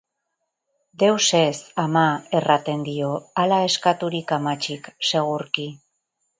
Deus ez, ama, erraten dio, hala eskaturik amatxik, segurki.